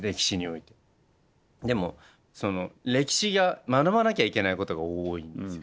でも歴史が学ばなきゃいけないことが多いんですよ。